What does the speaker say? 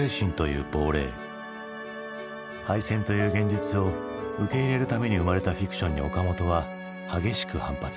敗戦という現実を受け入れるために生まれたフィクションに岡本は激しく反発。